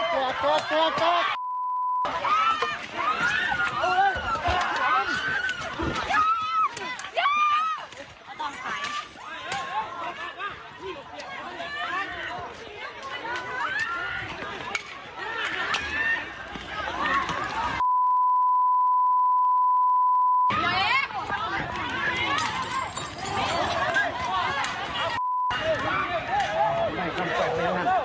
ตัวตัวตัวตัว